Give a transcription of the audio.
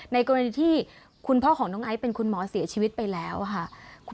ในกรณีที่คุณพ่อของน้องไอซ์เป็นคุณหมอเสียชีวิตไปแล้วค่ะ